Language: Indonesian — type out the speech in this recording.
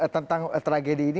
tentang tragedi ini